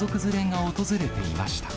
先週、多くの家族連れが訪れていました。